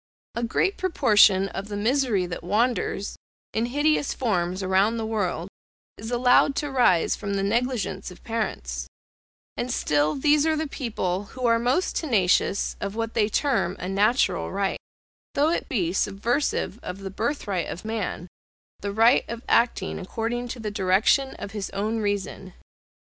A great proportion of the misery that wanders, in hideous forms around the world, is allowed to rise from the negligence of parents; and still these are the people who are most tenacious of what they term a natural right, though it be subversive of the birth right of man, the right of acting according to the direction of his own reason.